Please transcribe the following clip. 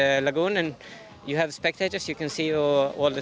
dan anda memiliki penonton yang bisa melihat anda sepanjang waktu